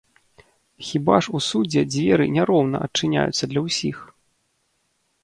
Хіба ж у судзе дзверы не роўна адчыняюцца для ўсіх?